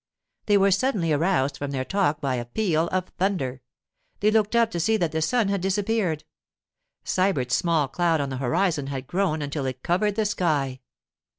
They were suddenly aroused from their talk by a peal of thunder. They looked up to see that the sun had disappeared. Sybert's small cloud on the horizon had grown until it covered the sky.